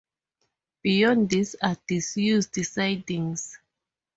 Beyond this are disused sidings.